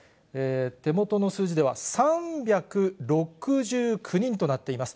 手元の数字では、３６９人となっています。